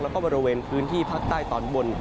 แล้วก็บริเวณพื้นที่ภาคใต้ตอนบน